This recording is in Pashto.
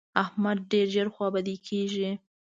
احمد ډېر ژر خوابدی کېږي.